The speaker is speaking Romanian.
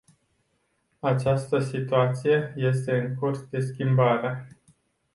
Această situație este în curs de schimbare.